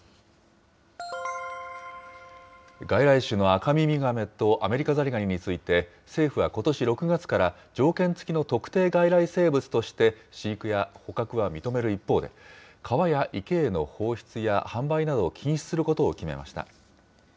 外来種のアカミミガメとアメリカザリガニについて、政府はことし６月から、条件付きの特定外来生物として、飼育や捕獲は認める一方で、川や池への放出や販売などを禁止することを決めました。